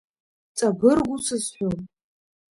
Ҵабыргу сызҳәом…